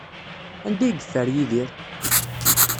Anda ay yeffer Yidir?